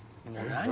何？